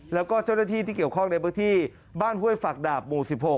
แล้วก็เจ้าหน้าที่ที่เกี่ยวข้องในพื้นที่บ้านห้วยฝักดาบหมู่๑๖